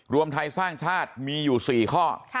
รวมไทยสร้างชาติมีอยู่๔ข้อ